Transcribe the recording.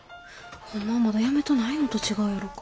ほんまはまだ辞めたないのと違うやろか。